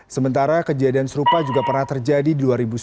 sementara kejadian serupa juga pernah terjadi dua ribu sembilan